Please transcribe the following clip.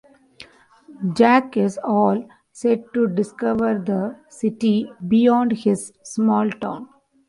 Jack is all set to discover the city beyond his small town.